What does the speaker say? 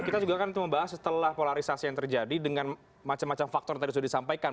kita juga akan membahas setelah polarisasi yang terjadi dengan macam macam faktor yang tadi sudah disampaikan